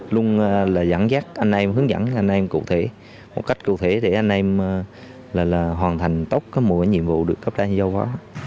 luôn là dẫn dắt anh em hướng dẫn anh em cụ thể một cách cụ thể để anh em là hoàn thành tốt cái mỗi nhiệm vụ được cấp trên giao phó